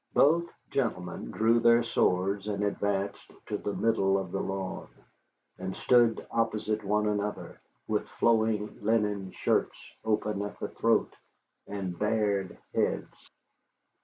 Both gentlemen drew their swords and advanced to the middle of the lawn, and stood opposite one another, with flowing linen shirts open at the throat, and bared heads.